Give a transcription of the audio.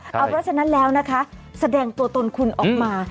เพราะฉะนั้นแล้วนะคะแสดงตัวตนคุณออกมา